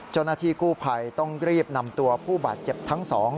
เจ้าหน้าที่กู้ภัยต้องรีบนำตัวผู้บาดเจ็บทั้งสอง